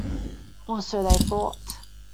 Or so they thought.